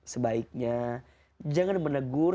sebaiknya jangan menegur